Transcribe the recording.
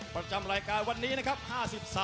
ประจำรายการวันนี้นะครับ